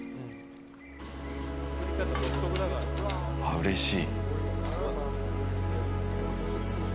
うれしい。